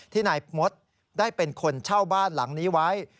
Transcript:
นายมดได้เป็นคนเช่าบ้านหลังนี้ไว้